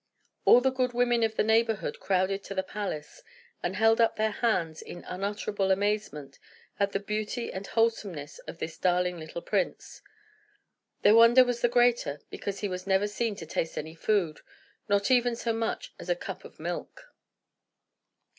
All the good women of the neighbourhood crowded to the palace, and held up their hands, in unutterable amazement, at the beauty and wholesomeness of this darling little prince. Their wonder was the greater, because he was never seen to taste any food; not even so much as a cup of milk.